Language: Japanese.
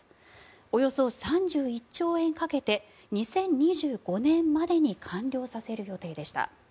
およそ３１兆円かけて２０２５年までに完了させる予定でした。